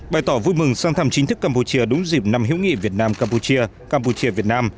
bày tỏ vui mừng sang thăm chính thức campuchia đúng dịp năm hữu nghị việt nam campuchia việt nam